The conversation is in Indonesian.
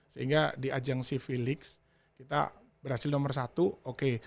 sehingga di ajang sea v ligs kita berhasil nomor satu oke